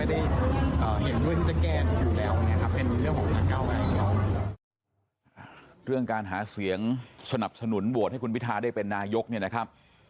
เอกสิทธิ์ของสองท่านนะครับท่านสมาชิกทฤษภาทั้งสองวอร์ก็มีเอกสิทธิ์ของท่านอยู่แล้วนะครับ